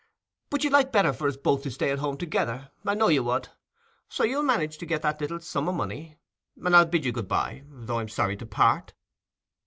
But you'd like better for us both to stay at home together; I know you would. So you'll manage to get that little sum o' money, and I'll bid you good bye, though I'm sorry to part."